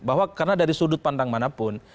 bahwa karena dari sudut pandang manapun